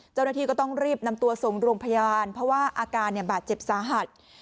เจ้าหน้าที่ก็ต้องรีบนำตัวส่งโรงพยาบาลเพราะว่าอาการบาดเจ็บสาหัส